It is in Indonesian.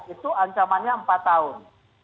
itu ancamannya empat tahun